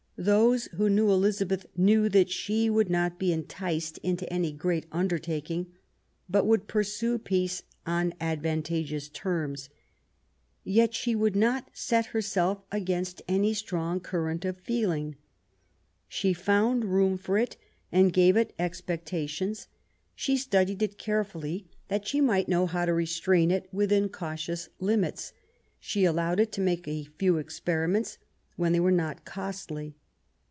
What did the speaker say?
Those who knew Elizabeth knew that she would not be enticed into any great undertaking, but would pursue peace on advantageous terms. Yet she would not set herself against any strong current of feeling. She found room for it, and gave it expectations; she studied it carefully, that she might know how to restrain it within cautious limits. She allowed it to make a few experiments, when they were not costly.